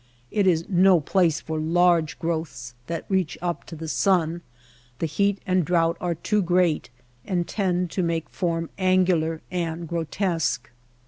It is no place for large growths that reach up to the sun. The heat and drouth are too great and tend to make form angular and grotesque.